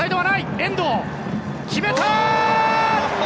遠藤、決めた！